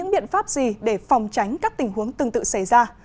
điều gì để phòng tránh các tình huống tương tự xảy ra